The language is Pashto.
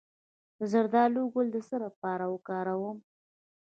د زردالو ګل د څه لپاره وکاروم؟